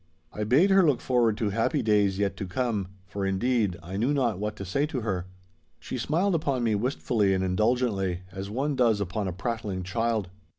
I bade her look forward to happy days yet to come, for, indeed, I knew not what to say to her. She smiled upon me wistfully and indulgently, as one does upon a prattling child.